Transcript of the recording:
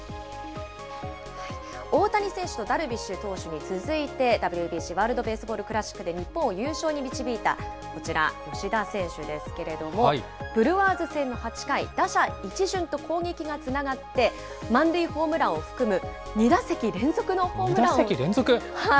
大谷選手とダルビッシュ投手に続いて、ＷＢＣ・ワールドベースボールクラシックで日本を優勝に導いたこちら、吉田選手ですけれども、ブルワーズ戦の８回、打者一巡と攻撃がつながって、満塁ホームランを含む、２打席連続。